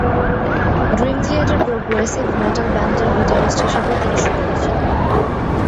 Dream Theater progressive metal ব্যান্ডের guitarist হিসেবেই তিনি সুপরিচিত।